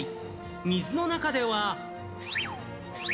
水の中では。